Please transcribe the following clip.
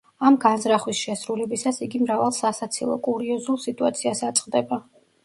ამ განზრახვის შესრულებისას იგი მრავალ სასაცილო, კურიოზულ სიტუაციას აწყდება.